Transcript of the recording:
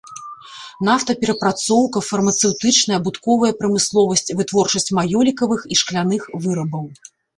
Нафтаперапрацоўка, фармацэўтычная, абутковая прамысловасць, вытворчасць маёлікавых і шкляных вырабаў.